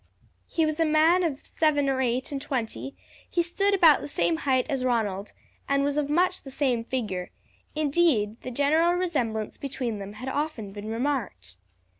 He was a man of seven or eight and twenty; he stood about the same height as Ronald and was of much the same figure, indeed the general resemblance between them had often been remarked.